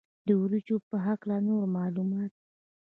د وریجو په هکله نور معلومات.